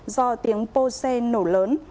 do tiếng pô xe nổ lớn